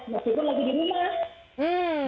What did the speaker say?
meskipun lagi di rumah